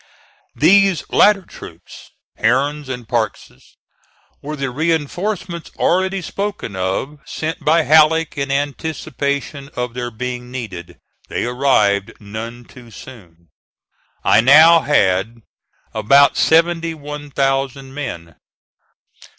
These latter troops Herron's and Parke's were the reinforcements already spoken of sent by Halleck in anticipation of their being needed. They arrived none too soon. I now had about seventy one thousand men.